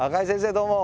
どうも！